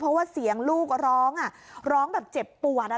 เพราะว่าเสียงลูกร้องร้องแบบเจ็บปวด